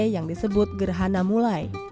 yang disebut gerhana mulai